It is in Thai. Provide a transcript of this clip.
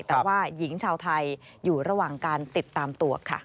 แต่ว่าหญิงชาวไทยอยู่ระหว่างการติดตามตัวค่ะ